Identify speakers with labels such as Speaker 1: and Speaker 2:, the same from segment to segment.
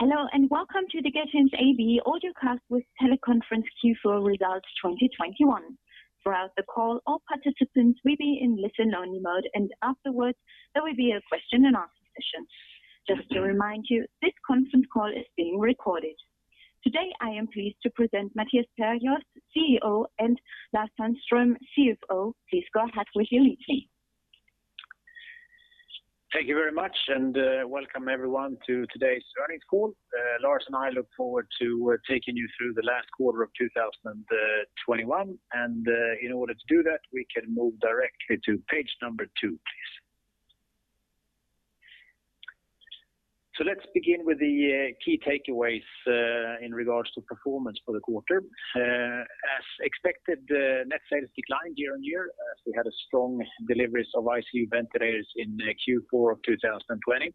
Speaker 1: Hello, and welcome to the Getinge AB Audiocast with Teleconference Q4 Results 2021. Throughout the call, all participants will be in listen-only mode, and afterwards, there will be a question and answer session. Just to remind you, this conference call is being recorded. Today, I am pleased to present Mattias Perjos, CEO, and Lars Sandström, CFO. Please go ahead with your lead, please.
Speaker 2: Thank you very much, and welcome everyone to today's earnings call. Lars and I look forward to taking you through the last quarter of 2021. In order to do that, we can move directly to page number two, please. Let's begin with the key takeaways in regards to performance for the quarter. As expected, the net sales declined year-on-year, as we had a strong deliveries of ICU ventilators in the Q4 of 2020.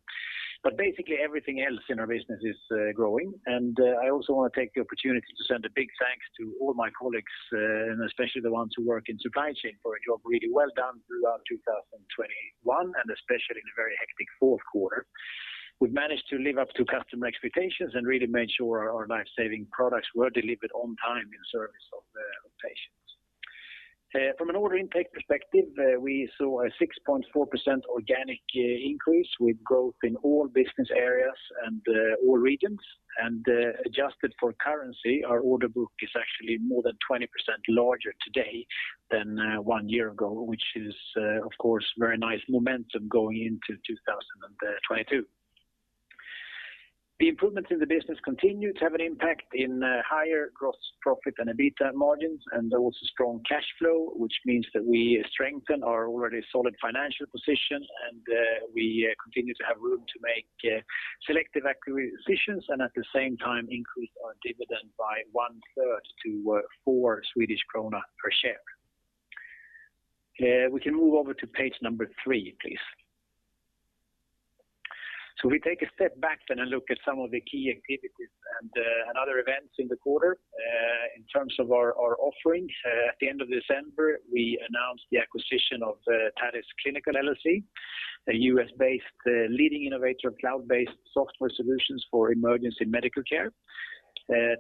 Speaker 2: Basically everything else in our business is growing. I also wanna take the opportunity to send a big thanks to all my colleagues, and especially the ones who work in supply chain for a job really well done throughout 2021, and especially in a very hectic Q4. We've managed to live up to customer expectations and really made sure our life-saving products were delivered on time in service of the patients. From an order intake perspective, we saw a 6.4% organic increase with growth in all business areas and all regions. Adjusted for currency, our order book is actually more than 20% larger today than one year ago, which is, of course, very nice momentum going into 2022. The improvements in the business continued to have an impact in higher gross profit and EBITDA margins and also strong cash flow, which means that we strengthen our already solid financial position, and we continue to have room to make selective acquisitions and at the same time increase our dividend by one-third to 4 Swedish krona per share. We can move over to page number three, please. We take a step back then and look at some of the key activities and other events in the quarter. In terms of our offerings, at the end of December, we announced the acquisition of Talis Clinical LLC, a US-based leading innovator of cloud-based software solutions for emergency medical care.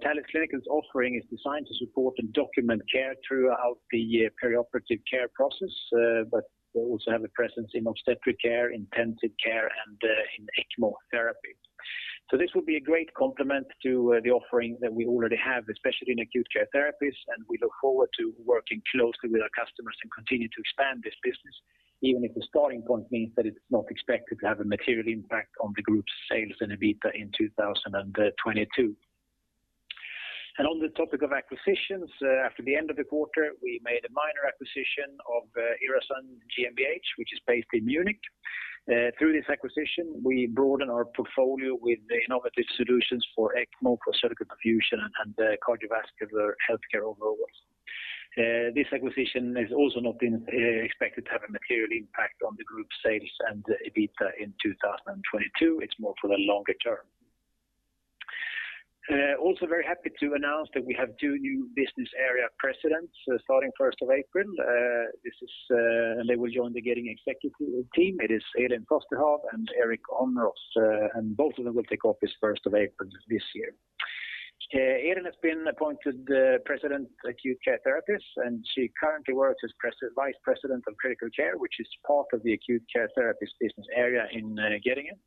Speaker 2: Talis Clinical's offering is designed to support and document care throughout the perioperative care process, but we also have a presence in obstetric care, intensive care, and in ECMO therapy. This will be a great complement to the offering that we already have, especially in Acute Care Therapies, and we look forward to working closely with our customers and continue to expand this business, even if the starting point means that it's not expected to have a material impact on the group's sales and EBITDA in 2022. On the topic of acquisitions, after the end of the quarter, we made a minor acquisition of Irasun GmbH, which is based in Munich. Through this acquisition, we broaden our portfolio with the innovative solutions for ECMO, for surgical perfusion, and cardiovascular healthcare overall. This acquisition has also not been expected to have a material impact on the group's sales and EBITDA in 2022. It's more for the longer term. Also very happy to announce that we have two new business area presidents starting first of April, and they will join the Getinge executive team. It is Elin Frostehav and Eric Honroth, and both of them will take office 1st of April this year. Elin has been appointed the President, Acute Care Therapies, and she currently works as Vice President of Critical Care, which is part of the Acute Care Therapies business area in Getinge.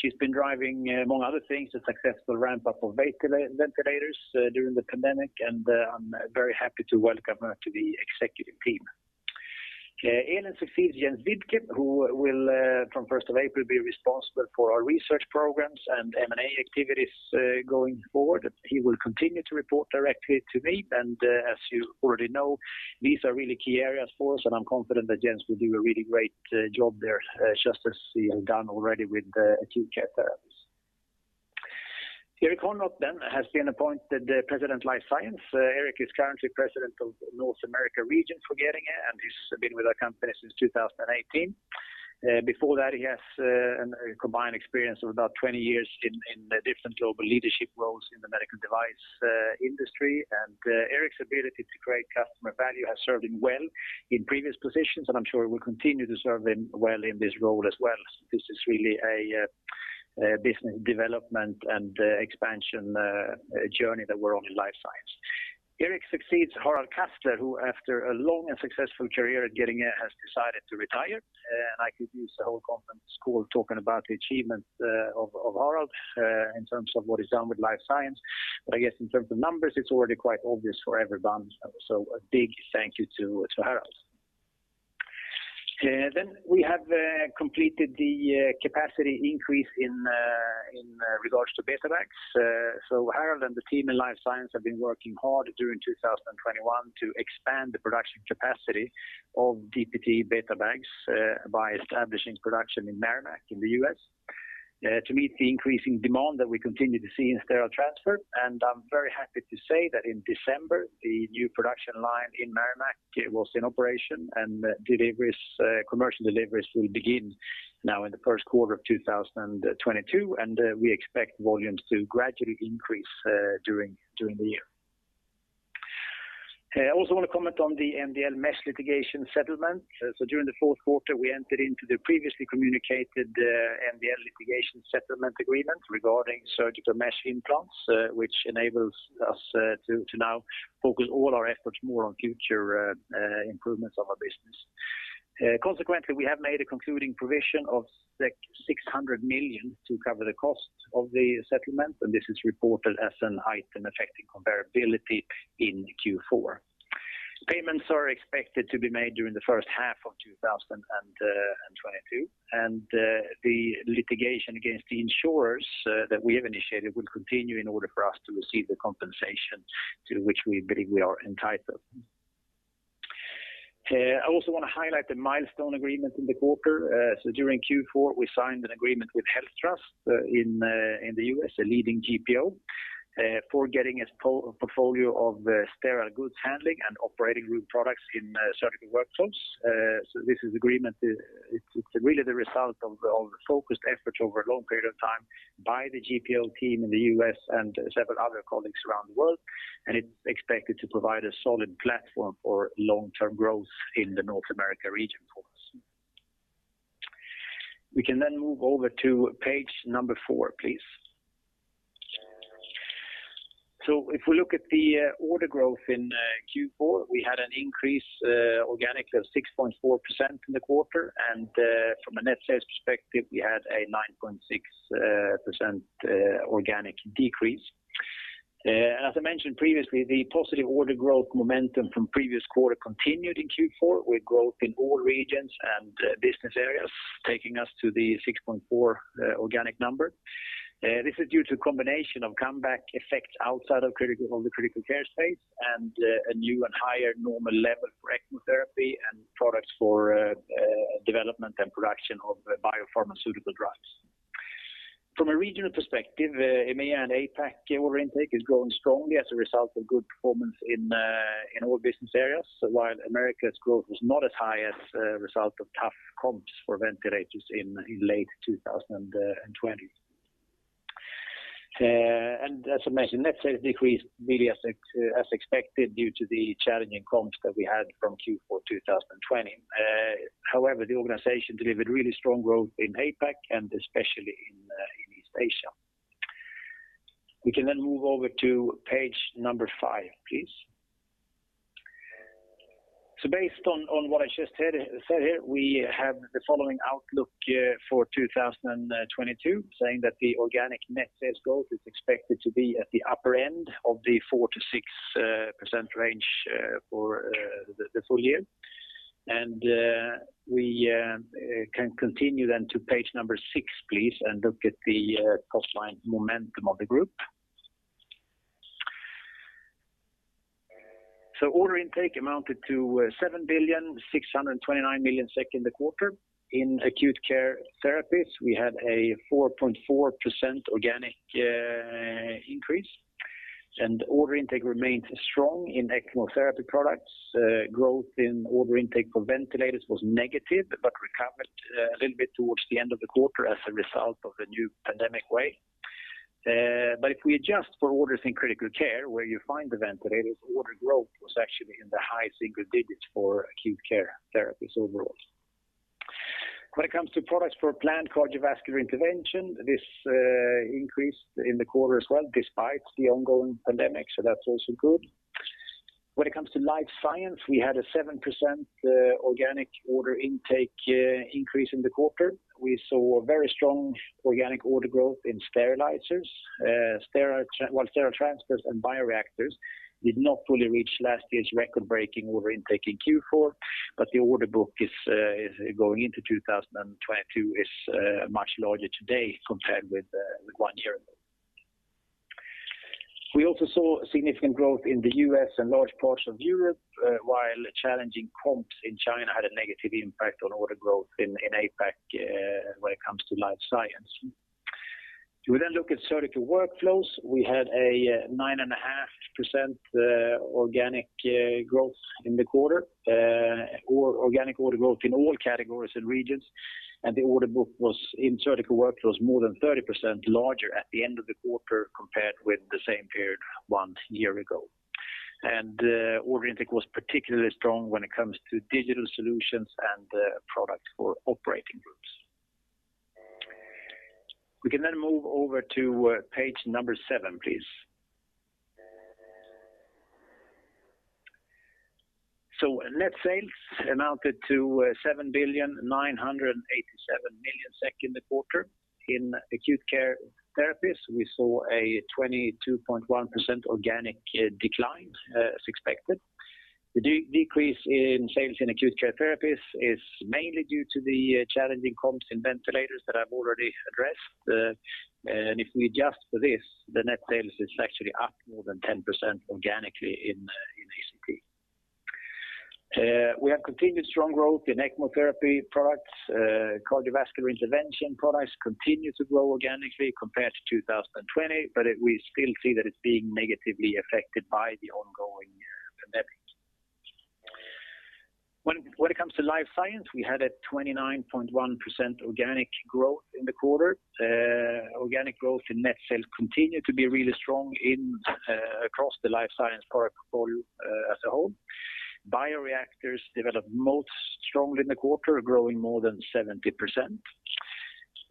Speaker 2: She's been driving, among other things, a successful ramp-up of ventilators during the pandemic, and I'm very happy to welcome her to the executive team. Elin succeeds Jens Viebke, who will, from first of April, be responsible for our research programs and M&A activities going forward. He will continue to report directly to me. As you already know, these are really key areas for us, and I'm confident that Jens will do a really great job there, just as he has done already with the Acute Care Therapies. Eric Honroth then has been appointed the President, Life Science. Eric is currently president of North America region for Getinge, and he's been with our company since 2018. Before that, he has a combined experience of about 20 years in different global leadership roles in the medical device industry. Eric's ability to create customer value has served him well in previous positions, and I'm sure it will continue to serve him well in this role as well. This is really a business development and expansion journey that we're on in Life Science. Eric succeeds Harald Castler, who after a long and successful career at Getinge has decided to retire. I could use the whole conference call talking about the achievements of Harald in terms of what he's done with Life Science. I guess in terms of numbers, it's already quite obvious for everyone. A big thank you to Harald. We have completed the capacity increase in regards to beta bags. Harald and the team in Life Science have been working hard during 2021 to expand the production capacity of DPTE beta bags by establishing production in Merrimack in the US to meet the increasing demand that we continue to see in sterile transfer. I'm very happy to say that in December, the new production line in Merrimack, it was in operation, and deliveries, commercial deliveries will begin now in the Q1 of 2022, and we expect volumes to gradually increase during the year. I also want to comment on the MDL mesh litigation settlement. During the Q4, we entered into the previously communicated MDL litigation settlement agreement regarding surgical mesh implants, which enables us to now focus all our efforts more on future improvements of our business. Consequently, we have made a concluding provision of 600 million to cover the cost of the settlement, and this is reported as an item affecting comparability in Q4. Payments are expected to be made during the first half of 2022. The litigation against the insurers that we have initiated will continue in order for us to receive the compensation to which we believe we are entitled. I also wanna highlight the milestone agreement in the quarter. During Q4, we signed an agreement with HealthTrust in the US, a leading GPO, for its portfolio of sterile goods handling and operating room products in Surgical Workflows. This agreement, it's really the result of focused efforts over a long period of time by the GPO team in the US and several other colleagues around the world. It's expected to provide a solid platform for long-term growth in the North America region for us. We can then move over to page number four, please. If we look at the order growth in Q4, we had an increase organically of 6.4% in the quarter. From a net sales perspective, we had a 9.6% organic decrease. As I mentioned previously, the positive order growth momentum from previous quarter continued in Q4, with growth in all regions and business areas taking us to the 6.4% organic number. This is due to a combination of comeback effects outside of the Critical Care space and a new and higher normal level for ECMO therapy and products for development and production of biopharmaceutical drugs. From a regional perspective, EMEA and APAC order intake is growing strongly as a result of good performance in all business areas, while Americas growth was not as high as a result of tough comps for ventilators in late 2020. As I mentioned, net sales decreased really as expected due to the challenging comps that we had from Q4 2020. However, the organization delivered really strong growth in APAC and especially in East Asia. We can move over to page five, please. Based on what I just said here, we have the following outlook for 2022, saying that the organic net sales growth is expected to be at the upper end of the 4%-6% range for the full year. We can continue then to page number six, please, and look at the top-line momentum of the group. Order intake amounted to 7,629 million SEK in the quarter. In Acute Care Therapies, we had a 4.4% organic increase. Order intake remained strong in ECMO therapy products. Growth in order intake for ventilators was negative, but recovered a little bit towards the end of the quarter as a result of the new pandemic wave. But if we adjust for orders in Critical Care, where you find the ventilators, order growth was actually in the high single digits for Acute Care Therapies overall. When it comes to products for planned cardiovascular intervention, this increased in the quarter as well, despite the ongoing pandemic. That's also good. When it comes to Life Science, we had a 7% organic order intake increase in the quarter. We saw a very strong organic order growth in sterilizers. While sterile transfers and bioreactors did not fully reach last year's record-breaking order intake in Q4, the order book going into 2022 is much larger today compared with one year ago. We also saw significant growth in the US and large parts of Europe, while challenging comps in China had a negative impact on order growth in APAC when it comes to Life Science. If we look at Surgical Workflows, we had a 9.5% organic growth in the quarter. Or organic order growth in all categories and regions. The order book was, in Surgical Workflows, more than 30% larger at the end of the quarter compared with the same period one year ago. Order intake was particularly strong when it comes to digital solutions and products for operating rooms. We can then move over to page number seven, please. Net sales amounted to 7,987 million SEK in the quarter. In Acute Care Therapies, we saw a 22.1% organic decline, as expected. The decrease in sales in Acute Care Therapies is mainly due to the challenging comps in ventilators that I've already addressed. If we adjust for this, the net sales is actually up more than 10% organically in ACT. We have continued strong growth in ECMO therapy products. Cardiovascular intervention products continue to grow organically compared to 2020, but we still see that it's being negatively affected by the ongoing pandemic. When it comes to Life Science, we had 29.1% organic growth in the quarter. Organic growth in net sales continued to be really strong across the Life Science product portfolio as a whole. Bioreactors developed most strongly in the quarter, growing more than 70%.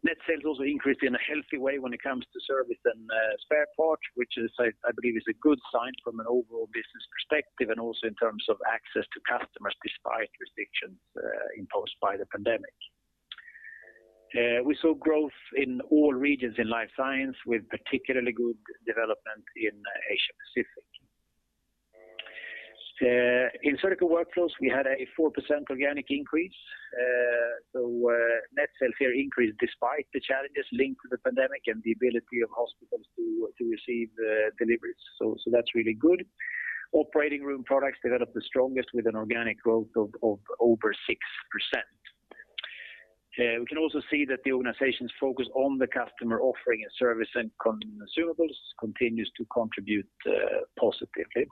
Speaker 2: Net sales also increased in a healthy way when it comes to service and spare parts, which I believe is a good sign from an overall business perspective and also in terms of access to customers despite restrictions imposed by the pandemic. We saw growth in all regions in Life Science with particularly good development in Asia-Pacific. In Surgical Workflows, we had a 4% organic increase. Net sales here increased despite the challenges linked to the pandemic and the ability of hospitals to receive deliveries. That's really good. Operating room products developed the strongest with an organic growth of over 6%. We can also see that the organization's focus on the customer offering a service and consumables continues to contribute positively.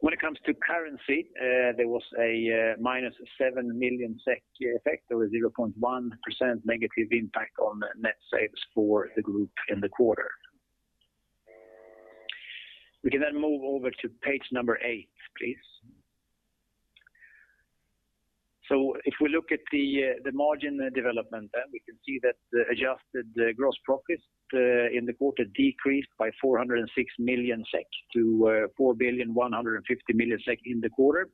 Speaker 2: When it comes to currency, there was a minus 7 million SEK effect. There was 0.1% negative impact on net sales for the group in the quarter. We can then move over to page number eight, please. If we look at the margin development then, we can see that the adjusted gross profits in the quarter decreased by 406 million-4.15 billion SEK in the quarter,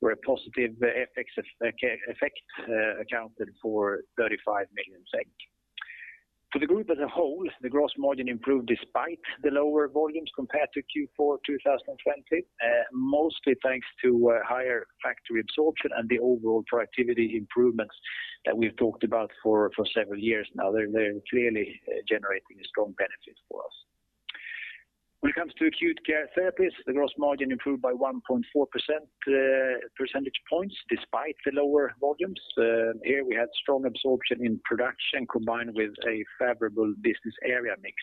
Speaker 2: where a positive FX effect accounted for 35 million SEK. For the group as a whole, the gross margin improved despite the lower volumes compared to Q4 2020, mostly thanks to higher factory absorption and the overall productivity improvements that we've talked about for several years now. They're clearly generating strong benefits for us. When it comes to Acute Care Therapies, the gross margin improved by 1.4 percentage points despite the lower volumes. Here we had strong absorption in production combined with a favorable business area mix,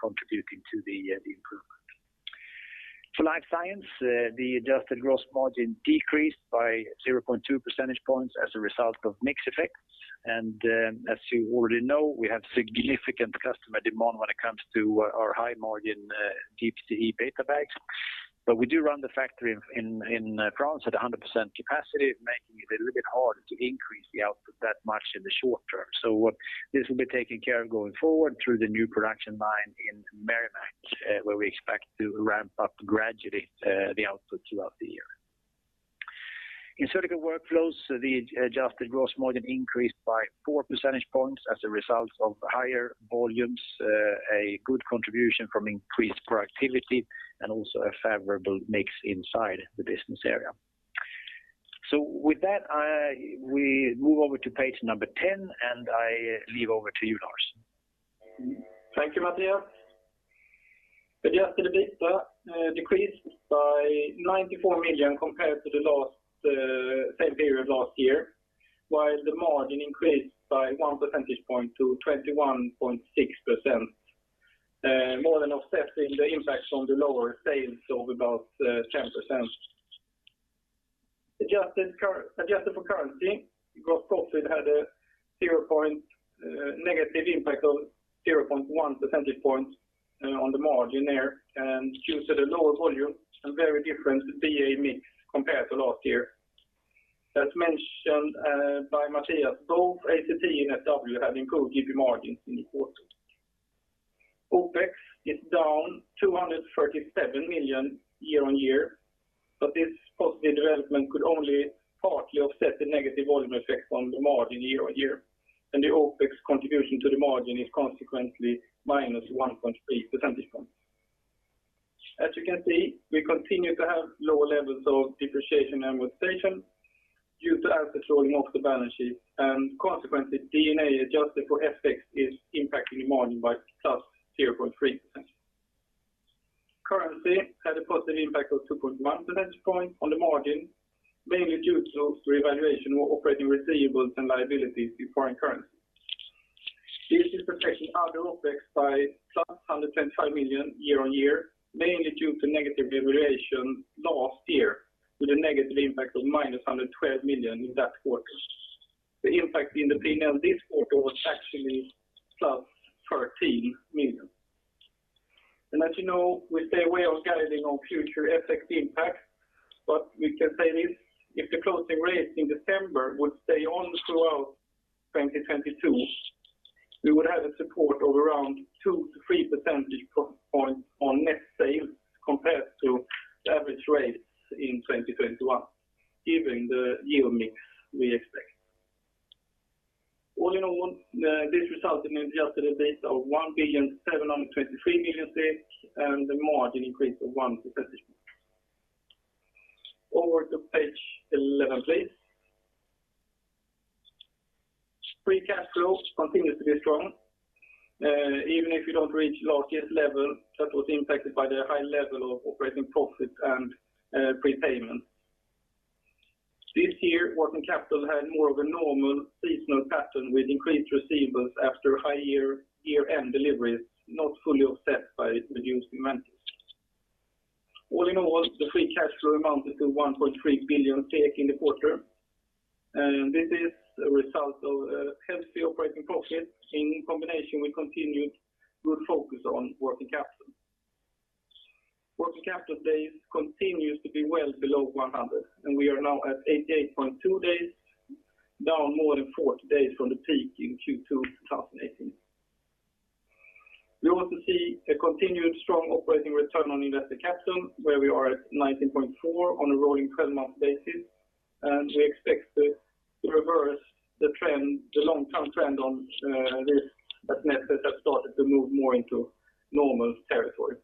Speaker 2: contributing to the improvement. For Life Science, the adjusted gross margin decreased by 0.2 percentage points as a result of mix effects. As you already know, we have significant customer demand when it comes to our high margin DPTE-BetaBag. We do run the factory in France at 100% capacity, making it a little bit hard to increase the output that much in the short term. This will be taken care of going forward through the new production line in Merrimack, where we expect to ramp up gradually the output throughout the year. In Surgical Workflows, the adjusted gross margin increased by 4 percentage points as a result of higher volumes, a good contribution from increased productivity, and also a favorable mix inside the business area. With that, we move over to page 10, and I hand over to you, Lars.
Speaker 3: Thank you, Mattias. The adjusted EBITDA decreased by 94 million compared to the same period last year, while the margin increased by one percentage point to 21.6%, more than offsetting the impacts on the lower sales of about 10%. Adjusted for currency, gross profit had a zero point negative impact of 0.1 percentage point on the margin there and due to the lower volume and very different BA mix compared to last year. As mentioned by Mattias, both ACT and SW had improved EBITDA margins in the quarter. OPEX is down 237 million year-on-year, but this positive development could only partly offset the negative volume effect on the margin year-on-year. The OPEX contribution to the margin is consequently minus 1.3 percentage points. As you can see, we continue to have lower levels of depreciation and amortization due to assets rolling off the balance sheet. Consequently, D&A adjusted for FX is impacting the margin by +0.3%. Currency had a positive impact of 2.1 percentage point on the margin, mainly due to revaluation of operating receivables and liabilities in foreign currency. This is affecting other OPEX by +125 million year-over-year, mainly due to negative devaluation last year, with a negative impact of -112 million in that quarter. The impact in the P&L this quarter was actually +13 million. As you know, we stay away from guiding on future FX impact, but we can say this, if the closing rate in December would stay on throughout 2022, we would have a support of around two to three percentage points on net sales compared to the average rates in 2021, given the year mix we expect. All in all, this resulted in adjusted EBITDA of SEK 1,723 million, and the margin increased to one percentage point. Over to page 11, please. Free cash flow continues to be strong, even if you don't reach last year's level that was impacted by the high level of operating profit and prepayment. This year, working capital had more of a normal seasonal pattern with increased receivables after high year-end deliveries, not fully offset by reduced inventories. All in all, the free cash flow amounted to 1.3 billion in the quarter. This is a result of a healthy operating profit in combination with continued good focus on working capital. Working capital days continues to be well below 100, and we are now at 88.2 days, down more than 40 days from the peak in Q2 2018. We also see a continued strong operating return on invested capital, where we are at 19.4 on a rolling twelve-month basis. We expect to reverse the trend, the long-term trend on this, but net sales have started to move more into normal territory.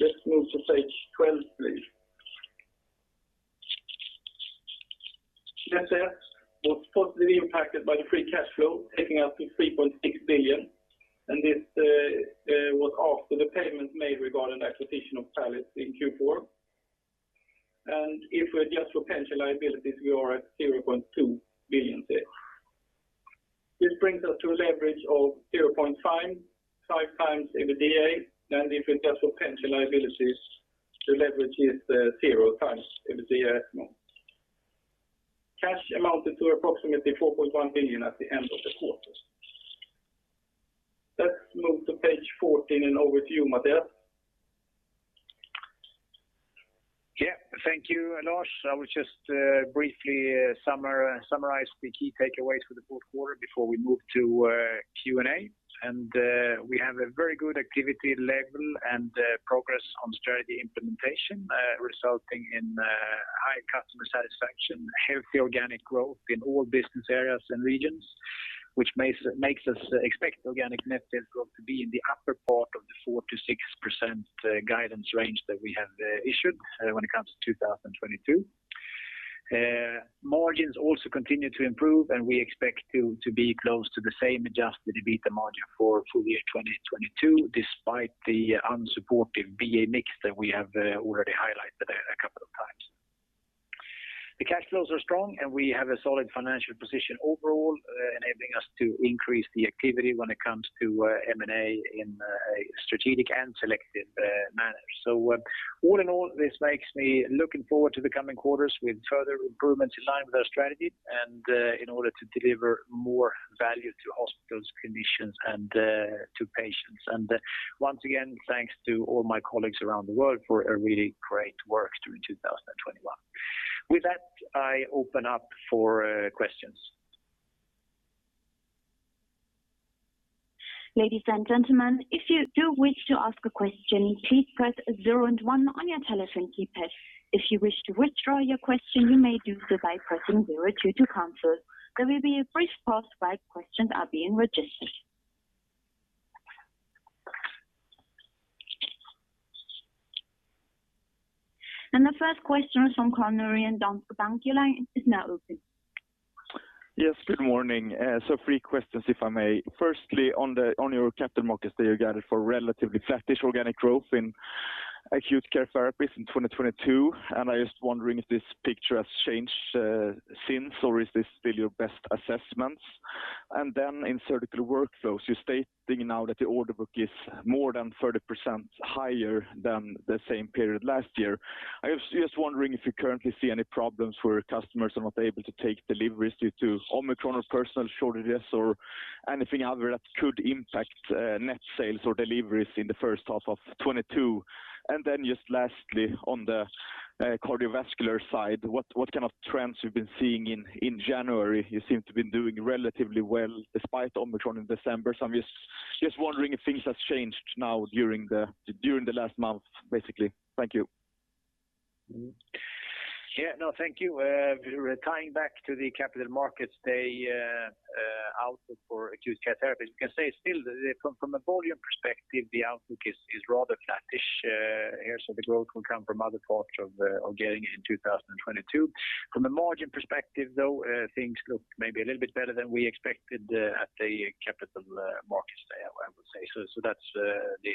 Speaker 3: Just move to page 12, please. Getinge. was positively impacted by the free cash flow, down to 3.6 billion. This was after the payment made regarding the acquisition of Talis Clinical in Q4. If we adjust for pension liabilities, we are at 0.2 billion. This brings us to a leverage of 0.55x EBITDA. If we adjust for pension liabilities, the leverage is 0x EBITDA at most. Cash amounted to approximately 4.1 billion at the end of the quarter. Let's move to page 14 and overview, Mattias.
Speaker 2: Yeah. Thank you, Lars. I will just briefly summarize the key takeaways for the Q4 before we move to Q&A. We have a very good activity level and progress on strategy implementation resulting in high customer satisfaction, healthy organic growth in all business areas and regions, which makes us expect organic net sales growth to be in the upper part of the 4%-6% guidance range that we have issued when it comes to 2022. Margins also continue to improve, and we expect to be close to the same adjusted EBITDA margin for full year 2022, despite the unsupportive BA mix that we have already highlighted a couple of times. The cash flows are strong, and we have a solid financial position overall, enabling us to increase the activity when it comes to M&A in a strategic and selective manner. So all in all, this makes me looking forward to the coming quarters with further improvements in line with our strategy and in order to deliver more value to hospitals, clinicians, and to patients. Once again, thanks to all my colleagues around the world for a really great work during 2021. With that, I open up for questions.
Speaker 1: The 1st question is from Erik Cassel of Danske Bank. The line is now open.
Speaker 4: Yes, good morning. Three questions if I may. 1st, on your capital markets day, you guided for relatively flattish organic growth in Acute Care Therapies in 2022. I was just wondering if this picture has changed, since, or is this still your best assessment? In Surgical Workflows, you are stating now that the order book is more than 30% higher than the same period last year. I was just wondering if you currently see any problems where customers are not able to take deliveries due to Omicron or personnel shortages or anything other than that could impact net sales or deliveries in the first half of 2022. Just lastly, on the cardiovascular side, what kind of trends you have been seeing in January? You seem to be doing relatively well despite Omicron in December. I'm just wondering if things have changed now during the last month, basically. Thank you.
Speaker 2: Yeah, no, thank you. Tying back to the Capital Markets Day outlook for Acute Care Therapies, we can say still from a volume perspective, the outlook is rather flattish here, so the growth will come from other parts of Getinge in 2022. From a margin perspective, though, things look maybe a little bit better than we expected at the Capital Markets Day, I would say. That's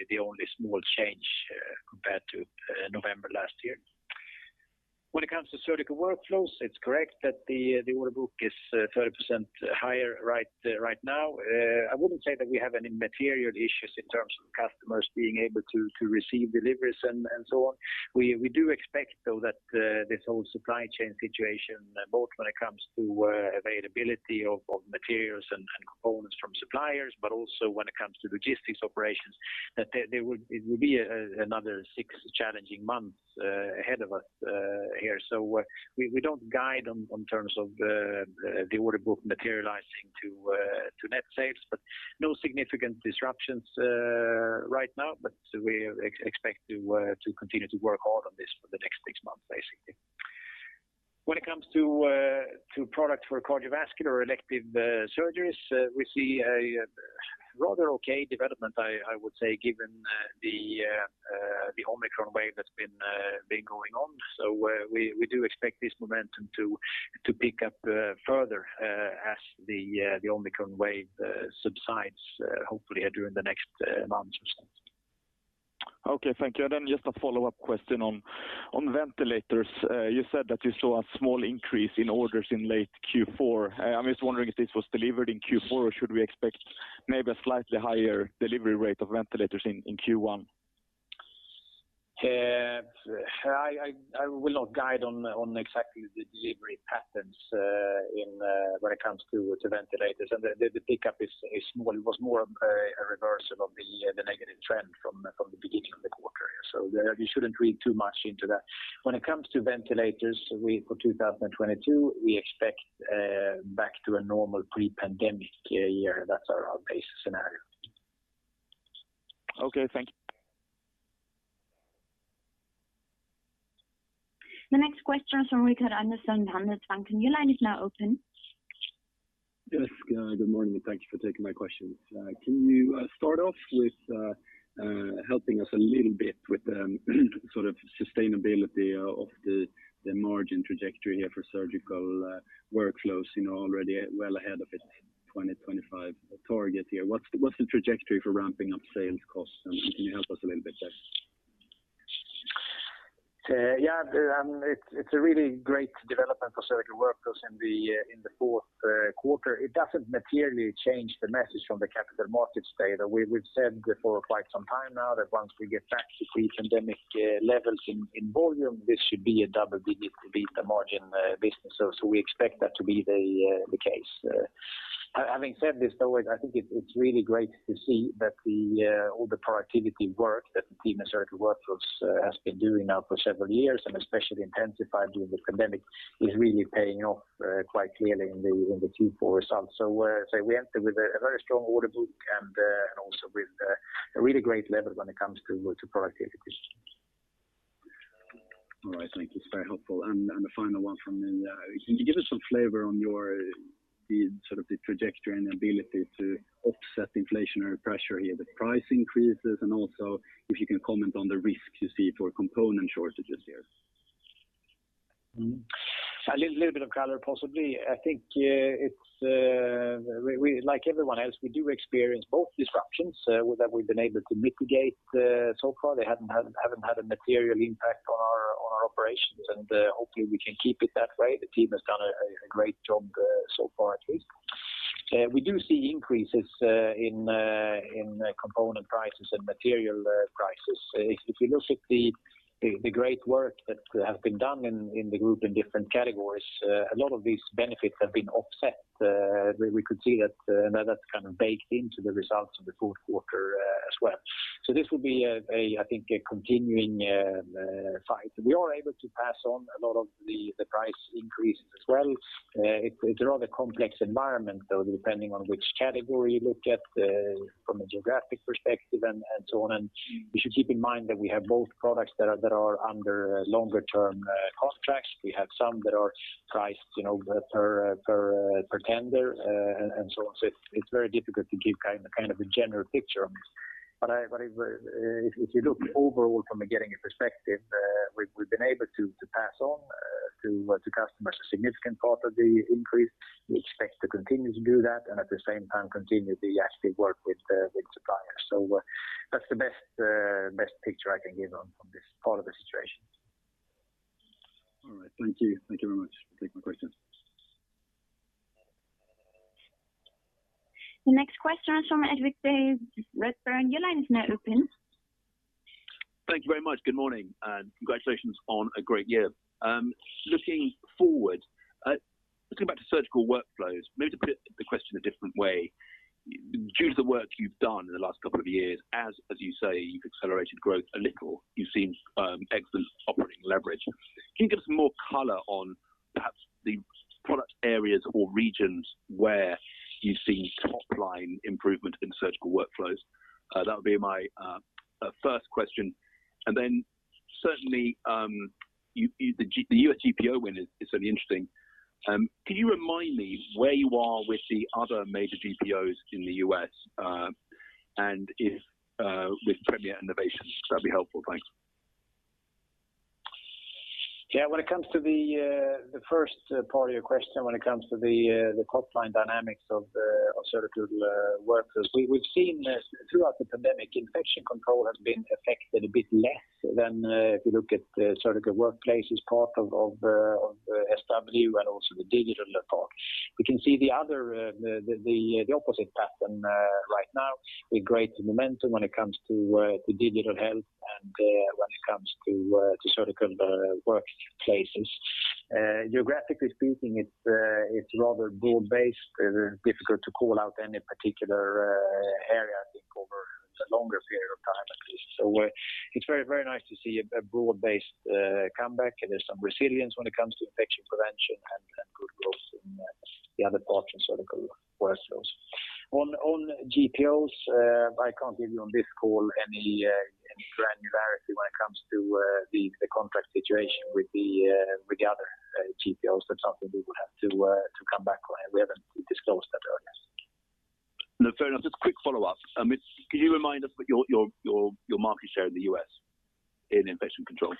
Speaker 2: the only small change compared to November last year. When it comes to Surgical Workflows, it's correct that the order book is 30% higher right now. I wouldn't say that we have any material issues in terms of customers being able to receive deliveries and so on. We do expect though that this whole supply chain situation, both when it comes to availability of materials and components from suppliers, but also when it comes to logistics operations, that it would be another six challenging months ahead of us here. We don't guide on terms of the order book materializing to net sales. No significant disruptions right now, but we expect to continue to work hard on this for the next six months, basically. When it comes to product for cardiovascular elective surgeries, we see a rather okay development, I would say, given the Omicron wave that's been going on. We do expect this momentum to pick up further as the Omicron wave subsides, hopefully during the next months or so.
Speaker 4: Okay. Thank you. Just a follow-up question on ventilators. You said that you saw a small increase in orders in late Q4. I'm just wondering if this was delivered in Q4, or should we expect maybe a slightly higher delivery rate of ventilators in Q1?
Speaker 2: I will not guide on exactly the delivery patterns when it comes to the ventilators. The pickup is small. It was more of a reversal of the negative trend from the beginning of the quarter. There, you shouldn't read too much into that. When it comes to ventilators, for 2022, we expect back to a normal pre-pandemic year. That's our base scenario.
Speaker 4: Okay. Thank you.
Speaker 1: The next question is from Rickard Anderkrans, Handelsbanken. Your line is now open.
Speaker 5: Yes. Good morning. Thank you for taking my questions. Can you start off with helping us a little bit with the sort of sustainability of the margin trajectory here for Surgical Workflows, you know, already well ahead of its 2025 target here? What's the trajectory for ramping up sales costs? And can you help us a little bit there?
Speaker 2: Yeah. It's a really great development for Surgical Workflows in the Q4. It doesn't materially change the message from the Capital Markets Day. That we've said for quite some time now that once we get back to pre-pandemic levels in volume, this should be a double-digit EBITDA margin business. So we expect that to be the case. Having said this though, I think it's really great to see that all the productivity work that the team in Surgical Workflows has been doing now for several years, and especially intensified during the pandemic, is really paying off quite clearly in the Q4 results. Say we enter with a very strong order book and also with a really great level when it comes to productivity systems.
Speaker 5: All right. Thank you. It's very helpful. The final one from me. Can you give us some flavor on your, the sort of the trajectory and ability to offset inflationary pressure here, the price increases, and also if you can comment on the risk you see for component shortages here?
Speaker 2: A little bit of color possibly. I think like everyone else, we do experience both disruptions that we've been able to mitigate so far. They haven't had a material impact on our operations, and hopefully we can keep it that way. The team has done a great job so far at least. We do see increases in component prices and material prices. If you look at the great work that has been done in the group in different categories, a lot of these benefits have been offset. We could see that that's kind of baked into the results of the Q4 as well. This will be a continuing fight, I think. We are able to pass on a lot of the price increases as well. It's a rather complex environment though, depending on which category you look at, from a geographic perspective and so on. You should keep in mind that we have both products that are under longer-term contracts. We have some that are priced, you know, per tender and so on. It's very difficult to give kind of a general picture on this. If you look overall from a Getinge perspective, we've been able to pass on to customers a significant part of the increase. We expect to continue to do that and at the same time continue the actual work with suppliers. That's the best picture I can give on this part of the situation.
Speaker 5: All right. Thank you. Thank you very much for taking my questions.
Speaker 1: The next question is from Ed Ridley-Day, Redburn. Your line is now open.
Speaker 6: Thank you very much. Good morning, and congratulations on a great year. Looking back to Surgical Workflows, maybe to put the question a different way. Due to the work you've done in the last couple of years, as you say, you've accelerated growth a little, you've seen excellent operating leverage. Can you give us more color on perhaps the product areas or regions where you see top-line improvement in Surgical Workflows? That would be my first question. Certainly, the U.S. GPO win is certainly interesting. Can you remind me where you are with the other major GPOs in the US, and with Premier, Inc? That'd be helpful. Thanks.
Speaker 2: Yeah. When it comes to the 1st part of your question, when it comes to the top-line dynamics of Surgical Workflows, we've seen throughout the pandemic, infection control has been affected a bit less than if you look at the surgical workplaces as part of SW and also the digital part. We can see the opposite pattern right now with great momentum when it comes to digital health and when it comes to Surgical Workflows. Geographically speaking, it's rather broad-based. Difficult to call out any particular area, I think, over the longer period of time at least. It's very, very nice to see a broad-based comeback. There's some resilience when it comes to infection prevention and good growth in the other parts of Surgical Workflows. On GPOs, I can't give you on this call any granularity when it comes to the contract situation with the other GPOs. That's something we will have to come back on. We haven't disclosed that earlier.
Speaker 6: No, fair enough. Just a quick follow-up. Can you remind us what your market share in the US in infection control?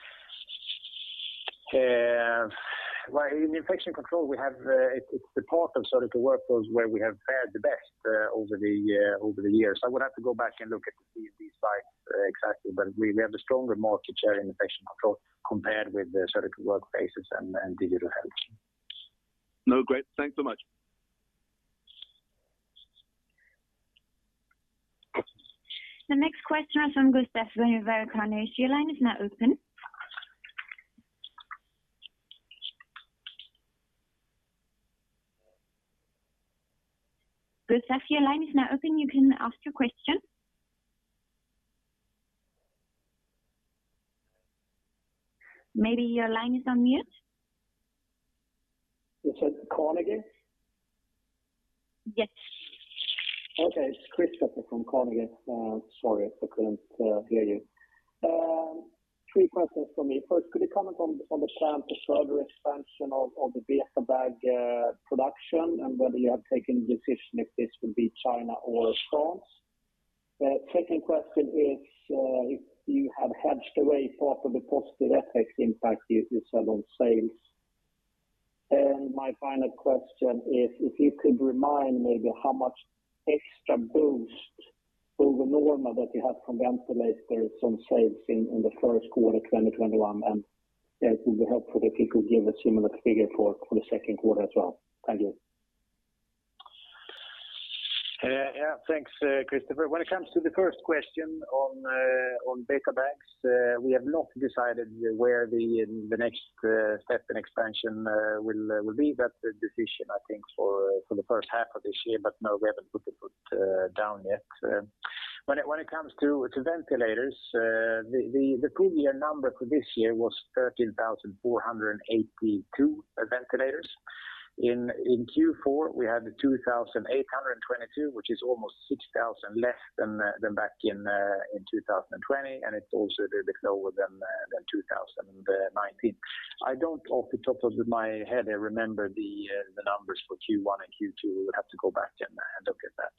Speaker 2: Well, in infection control, it's the part of Surgical Workflows where we have fared the best over the years. I would have to go back and look at these slides exactly, but we have a stronger market share in infection control compared with the Surgical Workflows and digital health.
Speaker 6: No, great. Thanks so much.
Speaker 1: The next question is from Kristofer Liljeberg-Svensson, Carnegie. Your line is now open. Kristofer, your line is now open. You can ask your question. Maybe your line is on mute.
Speaker 7: You said Carnegie?
Speaker 1: Yes.
Speaker 7: Okay. It's Kristofer from Carnegie. Sorry if I couldn't hear you. Three questions from me. 1st, could you comment on the plan to further expansion of the BetaBag production and whether you have taken a decision if this will be China or France? 2nd question is if you have hedged away part of the positive FX impact on sales. My final question is if you could remind maybe how much extra boost over normal that you have from ventilators in sales in the Q1 2021, and it would be helpful if you could give a similar figure for the Q2 as well. Thank you.
Speaker 2: Yeah. Thanks, Kristofer. When it comes to the 1st question on BetaBag, we have not decided where the next step in expansion will be. That's a decision I think for the first half of this year. No, we haven't put the foot down yet. When it comes to ventilators, the previous number for this year was 13,482 ventilators. In Q4 we had 2,822, which is almost 6,000 less than back in 2020, and it's also a little bit lower than 2019. I don't off the top of my head remember the numbers for Q1 and Q2. I have to go back and look at that.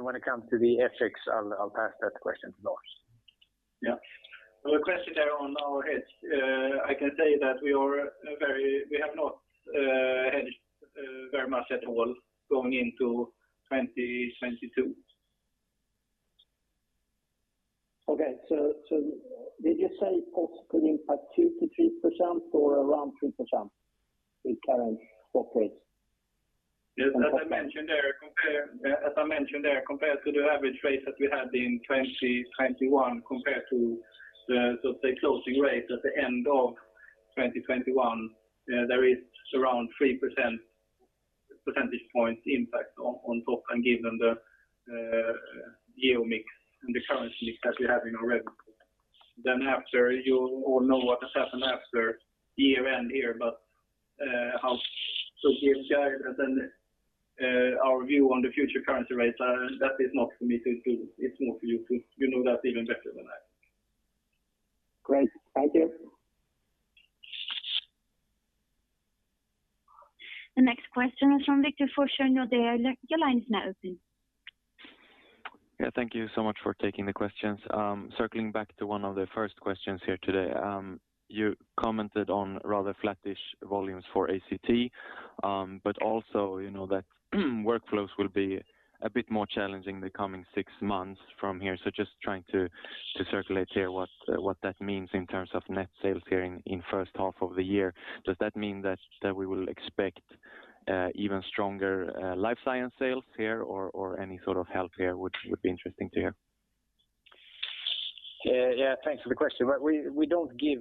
Speaker 2: When it comes to the FX, I'll pass that question to Lars.
Speaker 3: Yeah. Well, the question there on our hedge, I can say that we have not hedged very much at all going into 2022.
Speaker 7: Did you say cost could impact 2%-3% or around 3% in current OPEX?
Speaker 3: Yes. As I mentioned there, compared to the average rates that we had in 2021 compared to the, sort of, the closing rate at the end of 2021, there is around three percentage point impact on top and given the geo mix and the currency that we have in our revenue. After year end here, you all know what has happened, but how to give guidance and then our view on the future currency rates are. That is not for me to do. It's more for you to you know that even better than I.
Speaker 7: Great. Thank you.
Speaker 1: The next question is from Victor Forssell. Your line is now open.
Speaker 8: Yeah. Thank you so much for taking the questions. Circling back to one of the first questions here today. You commented on rather flattish volumes for ACT. Also, you know, that workflows will be a bit more challenging the coming six months from here. Just trying to articulate here what that means in terms of net sales here in first half of the year. Does that mean that we will expect even stronger Life Science sales here or any sort of healthcare would be interesting to hear?
Speaker 2: Thanks for the question. We don't give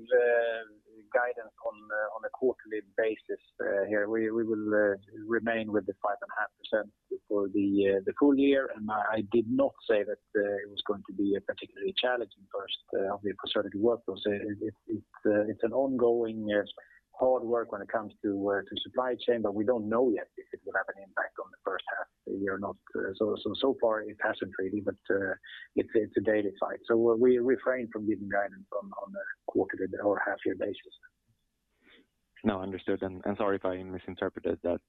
Speaker 2: guidance on a quarterly basis here. We will remain with the 5.5% for the full year. I did not say that it was going to be a particularly challenging first half year for Surgical Workflows. It's an ongoing hard work when it comes to supply chain, but we don't know yet if it will have an impact on the first half. So far it hasn't really, but it's a daily fight. We refrain from giving guidance on a quarterly or half year basis.
Speaker 8: No. Understood. Sorry if I misinterpreted that.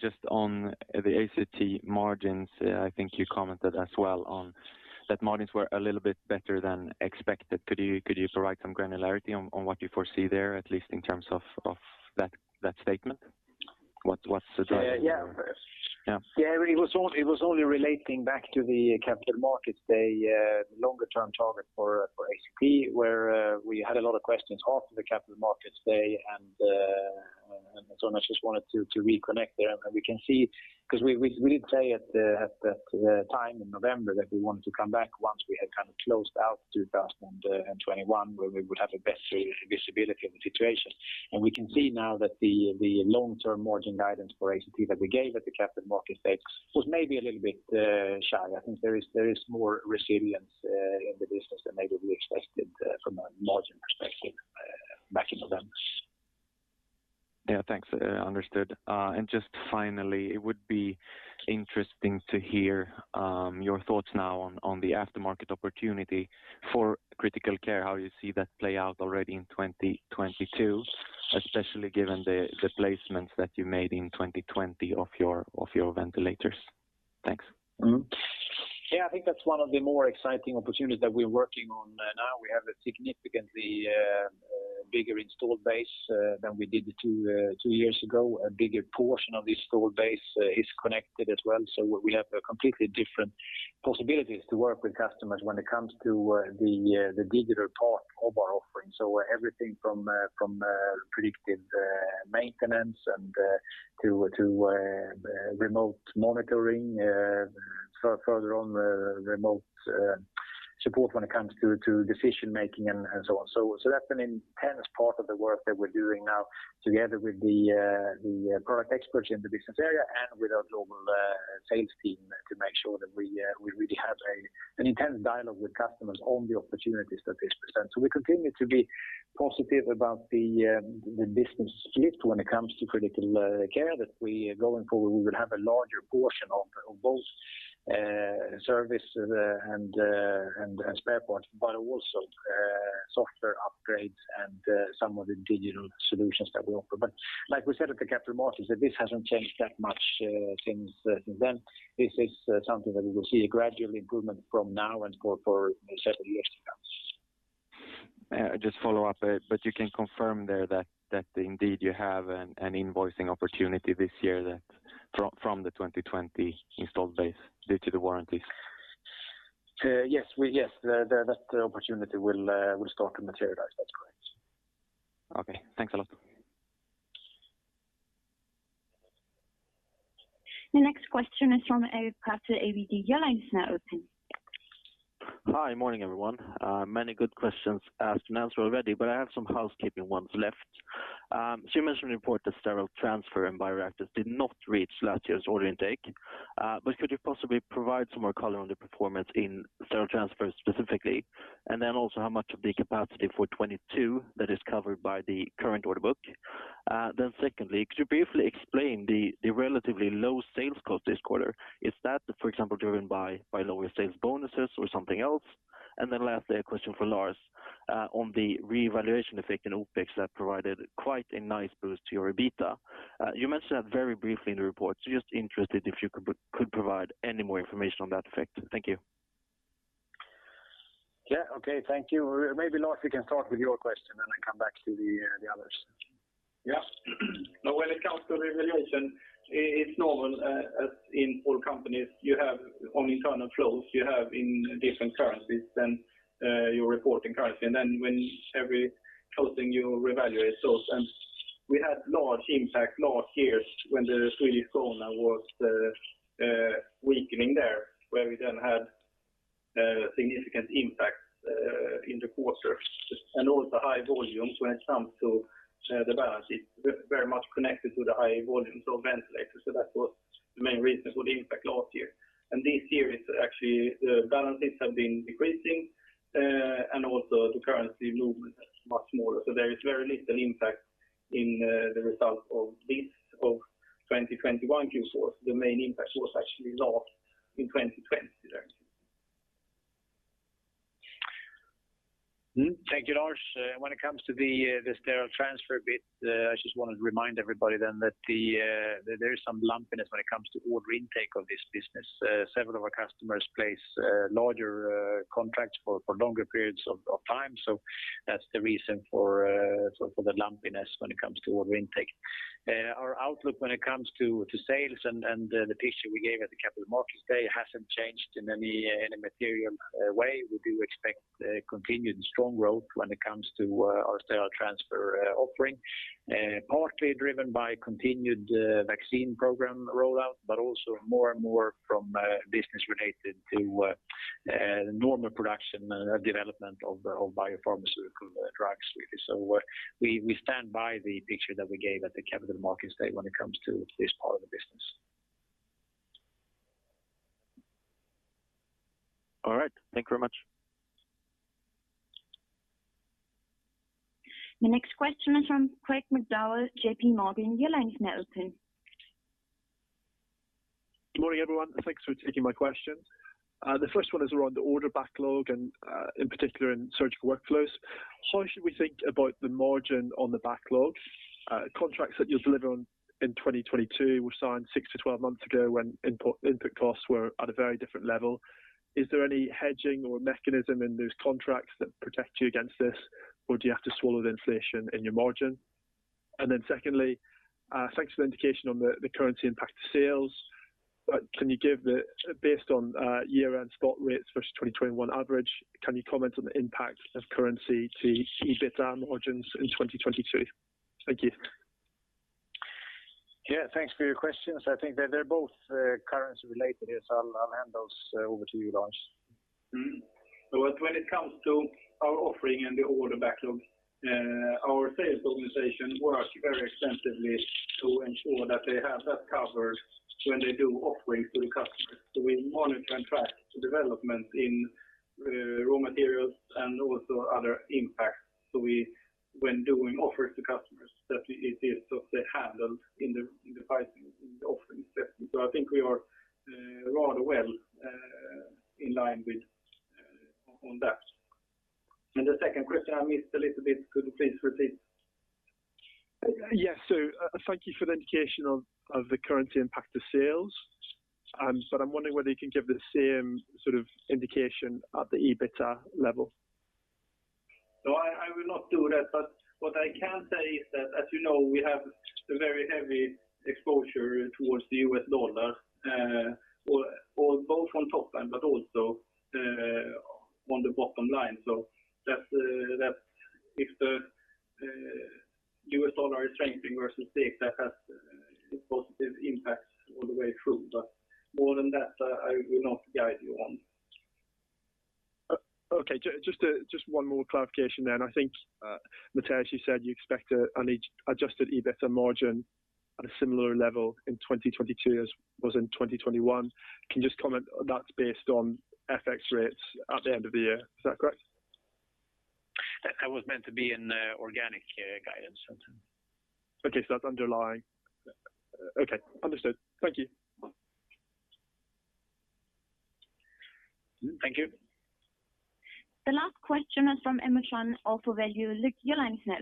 Speaker 8: Just on the ACT margins, I think you commented as well on that margins were a little bit better than expected. Could you provide some granularity on what you foresee there, at least in terms of that statement? What's the driver?
Speaker 2: Yeah. Yeah.
Speaker 8: Yeah.
Speaker 2: Yeah. It was only relating back to the Capital Markets Day, longer-term target for ACT, where we had a lot of questions after the Capital Markets Day. I just wanted to reconnect there. We can see because we did say at the time in November that we wanted to come back once we had kind of closed out 2021, where we would have a better visibility of the situation. We can see now that the long-term margin guidance for ACT that we gave at the Capital Markets Day was maybe a little bit shy. I think there is more resilience in the business than maybe we expected from a margin perspective back in November.
Speaker 8: Yeah. Thanks. Understood. Just finally, it would be interesting to hear your thoughts now on the aftermarket opportunity for Critical Care. How you see that play out already in 2022, especially given the placements that you made in 2020 of your ventilators? Thanks.
Speaker 2: I think that's one of the more exciting opportunities that we're working on now. We have a significantly bigger installed base than we did two years ago. A bigger portion of the installed base is connected as well. We have a completely different possibilities to work with customers when it comes to the digital part of our offering. Everything from predictive maintenance and to remote monitoring, further on, remote support when it comes to decision making and so on. That's an intense part of the work that we're doing now together with the product experts in the business area and with our global sales team to make sure that we really have an intense dialogue with customers on the opportunities that this presents. We continue to be positive about the business split when it comes to Critical Care. That we are going forward, we will have a larger portion of both service and spare parts, but also software upgrades and some of the digital solutions that we offer. Like we said at the Capital Markets Day, this hasn't changed that much since then. This is something that we will see a gradual improvement from now and for several years to come.
Speaker 8: Just follow up. You can confirm there that indeed you have an invoicing opportunity this year that from the 2020 installed base due to the warranties?
Speaker 2: Yes, that opportunity will start to materialize. That's correct.
Speaker 8: Okay, thanks a lot.
Speaker 1: The next question is from Erik Cassel, ABG. Your line is now open.
Speaker 4: Hi. Morning, everyone. Many good questions asked and answered already, but I have some housekeeping ones left. So you mentioned in the report that sterile transfer and bioreactors did not reach last year's order intake. But could you possibly provide some more color on the performance in sterile transfers specifically? And then also how much of the capacity for 2022 that is covered by the current order book. Then secondly, could you briefly explain the relatively low sales cost this quarter? Is that, for example, driven by lower sales bonuses or something else? And then lastly, a question for Lars on the revaluation effect in OpEx that provided quite a nice boost to your EBITDA. You mentioned that very briefly in the report, so just interested if you could provide any more information on that effect. Thank you.
Speaker 2: Yeah. Okay. Thank you. Maybe Lars, we can start with your question, and I come back to the others.
Speaker 3: Yeah. Now, when it comes to revaluation, it's normal, as in all companies you have internal flows, you have in different currencies than your reporting currency. Then when every closing, you revaluate those. We had large impact last year when the Swedish krona was weakening there, where we then had significant impact in the quarter. Also high volumes when it comes to the balance sheet, very much connected to the high volumes of ventilators. That was the main reason for the impact last year. This year it's actually balances have been decreasing, and also the currency movement much smaller. There is very little impact in the result of this, of 2021 Q4. The main impact was actually last, in 2020 actually.
Speaker 2: Thank you, Lars. When it comes to the sterile transfer bit, I just wanted to remind everybody that there is some lumpiness when it comes to order intake of this business. Several of our customers place larger contracts for longer periods of time. That's the reason for the lumpiness when it comes to order intake. Our outlook when it comes to sales and the picture we gave at the Capital Markets Day hasn't changed in any material way. We do expect continued strong growth when it comes to our sterile transfer offering, partly driven by continued vaccine program rollout, but also more and more from business related to normal production development of biopharmaceutical drugs really. We stand by the picture that we gave at the Capital Markets Day when it comes to this part of the business.
Speaker 4: All right. Thank you very much.
Speaker 1: The next question is from Craig McDowell, J.P. Morgan. Your line is now open.
Speaker 9: Good morning, everyone. Thanks for taking my question. The first one is around the order backlog and, in particular, in Surgical Workflows. How should we think about the margin on the backlog? Contracts that you'll deliver on in 2022 were signed six to 12 months ago when input costs were at a very different level. Is there any hedging or mechanism in those contracts that protect you against this, or do you have to swallow the inflation in your margin? Then secondly, thanks for the indication on the currency impact to sales. Based on year-end spot rates versus 2021 average, can you comment on the impact of currency to EBITDA margins in 2022? Thank you.
Speaker 2: Yeah, thanks for your questions. I think that they're both currency related, so I'll hand those over to you, Lars.
Speaker 3: Mm-hmm. Well, when it comes to our offering and the order backlog, our sales organization work very extensively to ensure that they have that covered when they do offering to the customers. We monitor and track the development in raw materials and also other impacts. When doing offers to customers that it is sort of handled in the pricing in the offering itself. I think we are rather well in line with on that. The 2nd question I missed a little bit. Could you please repeat?
Speaker 9: Yes. Thank you for the indication of the currency impact to sales. I'm wondering whether you can give the same sort of indication at the EBITDA level?
Speaker 2: No, I will not do that. What I can say is that, as you know, we have a very heavy exposure toward the US dollar, or both on top line but also on the bottom line, that if the US dollar is strengthening versus the SEK, it positively impacts all the way through. More than that, I will not guide you on.
Speaker 9: Okay. Just one more clarification then. I think, Mattias, you said you expect an adjusted EBITA margin at a similar level in 2022 as was in 2021. Can you just comment, that's based on FX rates at the end of the year. Is that correct?
Speaker 2: That was meant to be an organic guidance.
Speaker 9: Okay. That's underlying. Okay. Understood. Thank you.
Speaker 2: Thank you.
Speaker 1: The last question is from Virendra Chauhan of AlphaValue. Luke, your line is now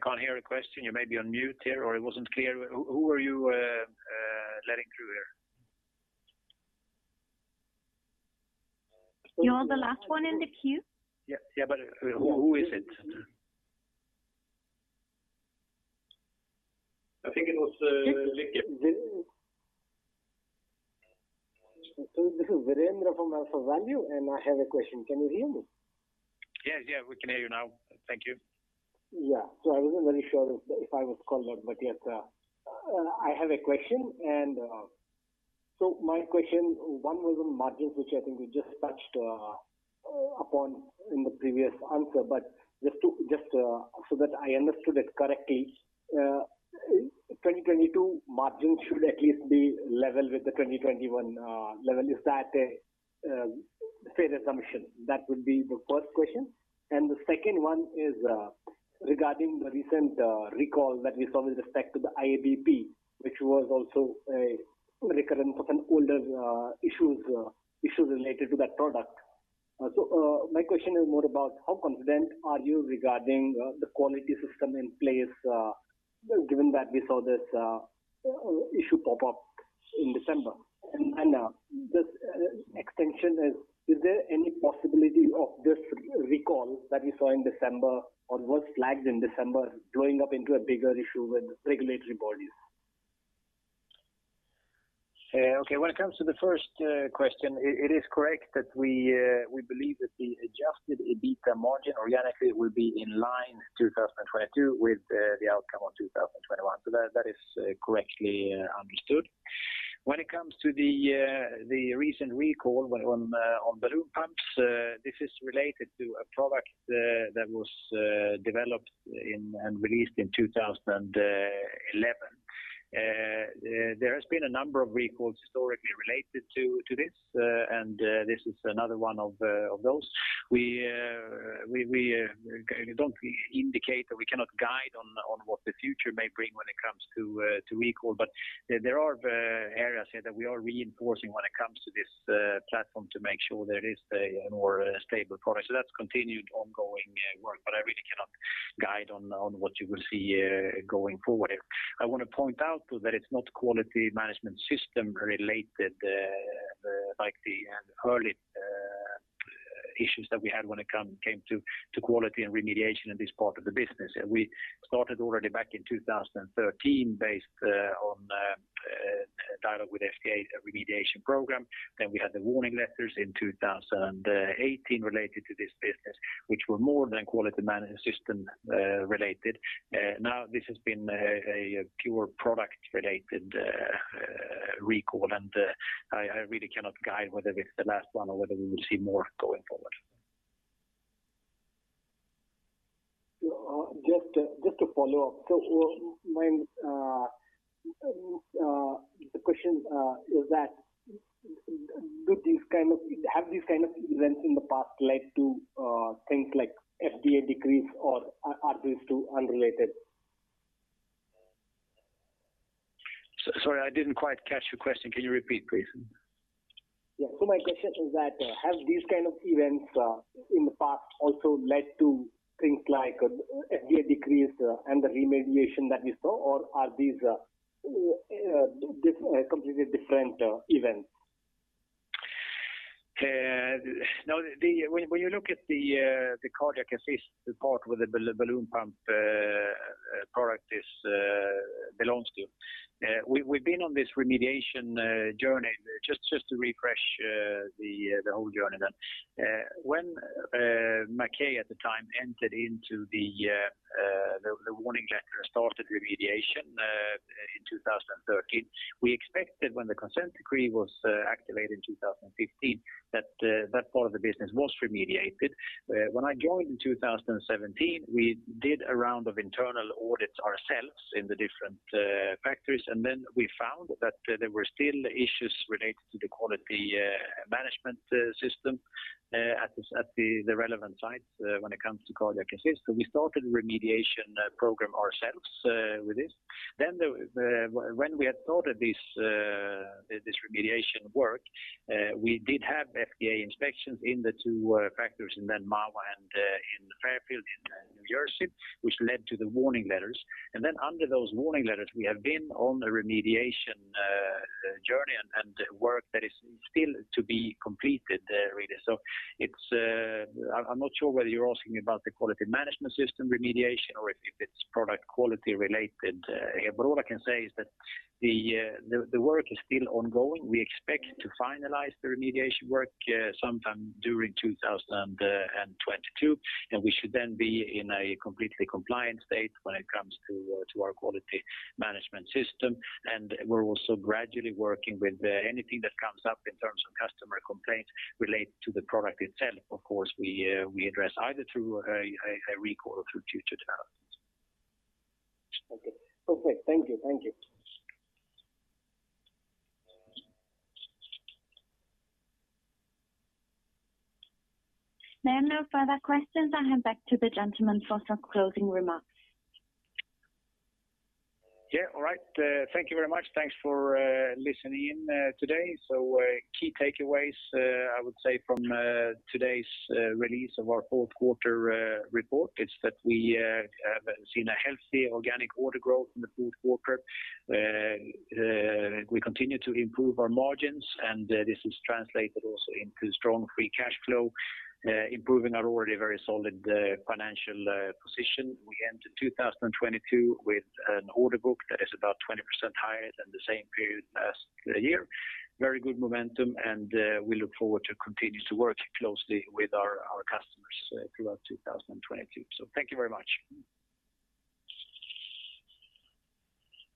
Speaker 1: open.
Speaker 2: I can't hear a question. You may be on mute here, or it wasn't clear. Who are you letting through here?
Speaker 1: You are the last one in the queue.
Speaker 2: Yeah, but who is it? I think it was Luke.
Speaker 10: This is Virendra from AlphaValue, and I have a question. Can you hear me?
Speaker 2: Yeah. Yeah, we can hear you now. Thank you.
Speaker 10: Yeah. I wasn't really sure if I was called on, but yes. I have a question. My question, one was on margins, which I think we just touched upon in the previous answer. Just so that I understood it correctly, 2022 margin should at least be level with the 2021 level. Is that a fair assumption? That would be the first question. The second one is regarding the recent recall that we saw with respect to the IABP, which was also a recurrence of some older issues related to that product. My question is more about how confident are you regarding the quality system in place, given that we saw this issue pop up in December? Is there any possibility of this recall that we saw in December or was flagged in December blowing up into a bigger issue with regulatory bodies?
Speaker 2: Okay. When it comes to the first question, it is correct that we believe that the adjusted EBITA margin organically will be in line 2022 with the outcome of 2021. That is correctly understood. When it comes to the recent recall on balloon pumps, this is related to a product that was developed and released in 2011. There has been a number of recalls historically related to this, and this is another one of those. We don't indicate that we cannot guide on what the future may bring when it comes to recall. There are areas here that we are reinforcing when it comes to this platform to make sure there is a more stable product. That's continued ongoing work, but I really cannot guide on what you will see going forward. I want to point out, though, that it's not quality management system related, like the early issues that we had when it came to quality and remediation in this part of the business. We started already back in 2013 based on dialogue with FDA remediation program. Then we had the warning letters in 2018 related to this business, which were more than quality management system related. Now this has been a pure product related recall, and I really cannot guide whether it's the last one or whether we will see more going forward.
Speaker 10: Just to follow up. My question is, have these kind of events in the past led to things like FDA decrees or are these two unrelated?
Speaker 2: Sorry, I didn't quite catch your question. Can you repeat, please?
Speaker 10: Yeah. My question is that have these kind of events in the past also led to things like FDA decrees and the remediation that we saw, or are these completely different events?
Speaker 2: No. When you look at the cardiac assist part where the balloon pump product belongs to, we've been on this remediation journey. Just to refresh the whole journey then. When Maquet at the time entered into the warning letter started remediation in 2013, we expected when the consent decree was activated in 2015 that that part of the business was remediated. When I joined in 2017, we did a round of internal audits ourselves in the different factories, and then we found that there were still issues related to the quality management system at the relevant sites when it comes to cardiac assist. We started remediation program ourselves with this. When we had started this remediation work, we did have FDA inspections in the two factories in Mahwah and in Fairfield in New Jersey, which led to the warning letters, under those warning letters we have been on a remediation journey and work that is still to be completed, really. I'm not sure whether you're asking about the quality management system remediation or if it's product quality related, but all I can say is that the work is still ongoing. We expect to finalize the remediation work sometime during 2022, and we should then be in a completely compliant state when it comes to our quality management system. We're also gradually working with anything that comes up in terms of customer complaints related to the product itself. Of course, we address either through a recall or through developments.
Speaker 10: Okay. Perfect. Thank you. Thank you.
Speaker 1: There are no further questions. I hand back to the gentleman for some closing remarks.
Speaker 2: Yeah. All right. Thank you very much. Thanks for listening in today. Key takeaways, I would say from today's release of our Q4 report is that we have seen a healthy organic order growth in the Q4. We continue to improve our margins, and this is translated also into strong free cash flow, improving our already very solid financial position. We enter 2022 with an order book that is about 20% higher than the same period last year. Very good momentum, and we look forward to continue to work closely with our customers throughout 2022. Thank you very much.